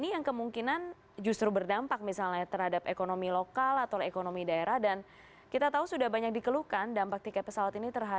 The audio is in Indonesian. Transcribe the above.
januari lalu saya ke daerah